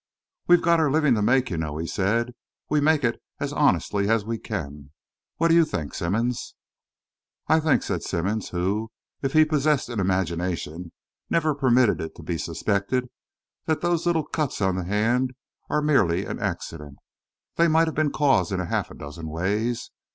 "We've got our living to make, you know," he said. "We make it as honestly as we can. What do you think, Simmonds?" "I think," said Simmonds, who, if he possessed an imagination, never permitted it to be suspected, "that those little cuts on the hand are merely an accident. They might have been caused in half a dozen ways.